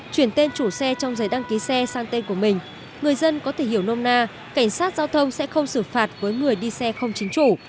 chuyển tên chủ xe trong giấy đăng ký xe sang tên của mình người dân có thể hiểu nôm na cảnh sát giao thông sẽ không xử phạt với người đi xe không chính chủ